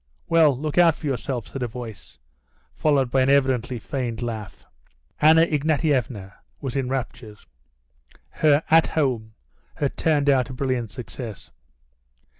"Well, look out for yourself," said a voice, followed by an evidently feigned laugh. Anna Ignatievna was in raptures; her "at home" had turned out a brilliant success.